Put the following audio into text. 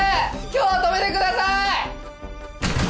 今日泊めてください！